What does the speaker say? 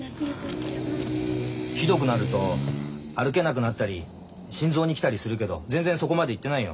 ひどくなると歩けなくなったり心臓にきたりするけど全然そこまでいってないよ。